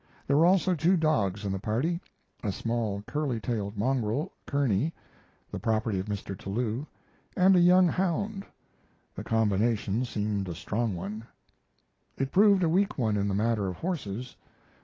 There were also two dogs in the party a small curly tailed mongrel, Curney, the property of Mr. Tillou, and a young hound. The combination seemed a strong one. It proved a weak one in the matter of horses.